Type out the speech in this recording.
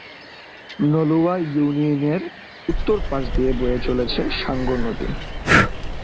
নলুয়া ইউনিয়নের উত্তর পাশ দিয়ে বয়ে চলেছে সাঙ্গু নদী।